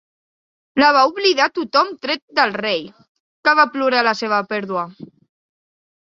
La va oblidar tothom tret del Rei, que va plorar la seva pèrdua.